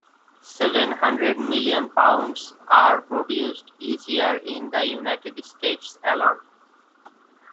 Seven hundred million pounds are produced each year in the United States alone.